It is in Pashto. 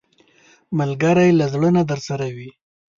ملګری له زړه نه درسره وي